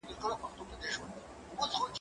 زه هره ورځ کتابتون ته راځم؟!